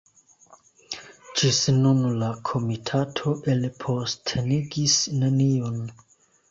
Ĝis nun la komitato elpostenigis neniun.